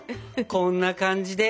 こんな感じで！